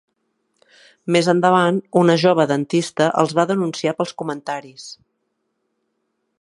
Més endavant una jove dentista els va denunciar pels comentaris.